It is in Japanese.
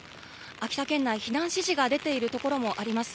秋田県内、避難指示が出ているところもあります。